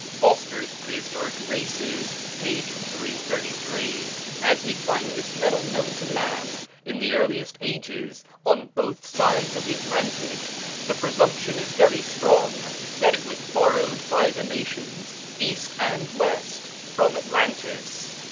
(Foster's "Prehistoric Races," p. 333.) As we find this metal known to man in the earliest ages on both sides of the Atlantic, the presumption is very strong that it was borrowed by the nations, east and west, from Atlantis.